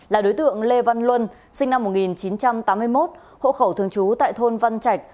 là đối tượng lê văn luân sinh năm một nghìn chín trăm tám mươi một hộ khẩu thường trú tại thôn văn trạch